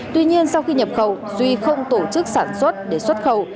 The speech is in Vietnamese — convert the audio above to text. tuy nhiên sau khi nhập khẩu duy không tổ chức sản xuất để xuất khẩu